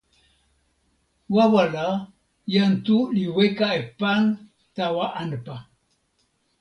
wawa la, jan Tu li weka e pan tawa anpa.